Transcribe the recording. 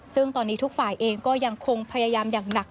ซึ่งตอนนี้ทุกฝ่ายเองก็ยังคงพยายามอย่างหนัก